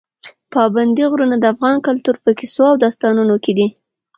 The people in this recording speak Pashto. پابندي غرونه د افغان کلتور په کیسو او داستانونو کې دي.